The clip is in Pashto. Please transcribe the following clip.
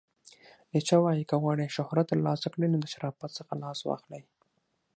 نیچه وایې، که غواړئ شهرت ترلاسه کړئ نو د شرافت څخه لاس واخلئ!